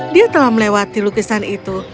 dia telah melewati lukisan itu